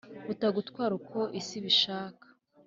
butagutwara uko isi ibishaka